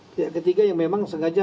pihak ketiga yang memang sengaja